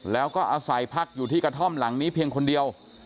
แล้วก็อาศัยพักอยู่ที่กระท่อมหลังนี้เพียงคนเดียว